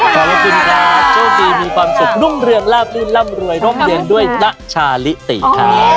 ขอบคุณค่ะช่วงนี้มีความสุขนุ่มเรืองลาบลืนลำรวยร่มเย็นด้วยณชาลิติค่ะ